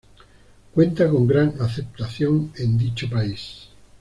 Cuenta con gran aceptación en dicho país.